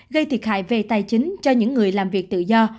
gây thiệt hại về tài chính cho những người làm việc tự do